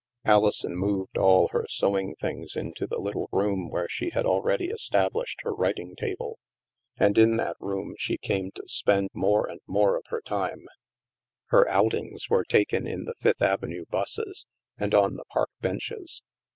Alison moved all her sewing things into the little room where she had already established her writing table. And in that room she came to spend more and more of her time. 2o8 THE MASK Her outings were taken in the Fifth Avenue busses and on the park benches.